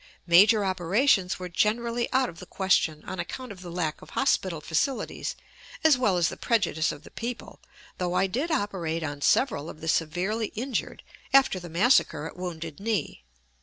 Major operations were generally out of the question on account of the lack of hospital facilities, as well as the prejudice of the people, though I did operate on several of the severely injured after the massacre at Wounded Knee.